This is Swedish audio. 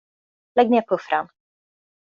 Lägg ned puffran.